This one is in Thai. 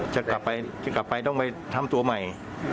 จะกลับไปจะกลับไปต้องไปทำตัวใหม่